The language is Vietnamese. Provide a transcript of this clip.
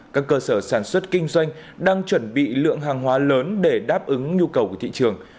các cơ sở sản xuất kinh doanh đang chuẩn bị lượng hàng hóa lớn để đáp ứng nhu cầu của thị trường